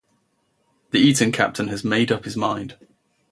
The Eton captain had made up his mind.